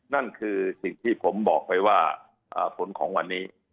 นั่นคือสิ่งที่ผมบอกไปว่าผลของวันนี้